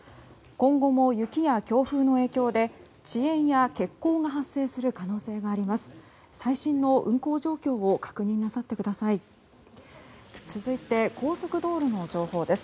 今後も雪や強風の影響で遅延や欠航が発生する可能性があります。